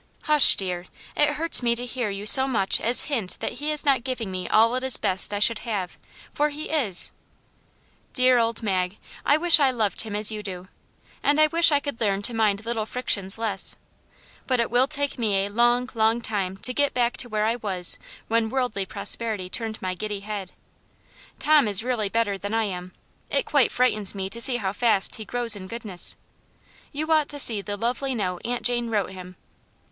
" Hush, dear, it hurts me to hear you so much as hint that He is not giving me all it is best I should ^lave, for He is." " Dear old Mag ! I wish I loved Him as you do ! And I wish I could learn to mind little frictions less. But it will take me a long, long time to get back to where I was when worldly prosperity turned my giddy head. Tom is really better than I am ; it quite frightens me to see how fast he grows in good ness. You ought to see the lovely note Aunt Jane wrote him.